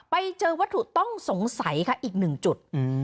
ไปเจอวัตถุต้องสงสัยค่ะอีกหนึ่งจุด